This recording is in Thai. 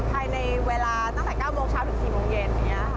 ภายในเวลาตั้งแต่๙โมงเช้าถึง๔โมงเย็น